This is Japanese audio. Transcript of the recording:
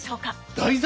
題材？